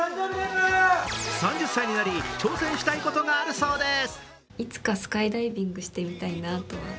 ３０歳になり挑戦したいことがあるそうです。